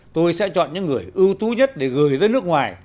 tôi sẽ chọn những người ưu tú nhất để gửi ra nước ngoài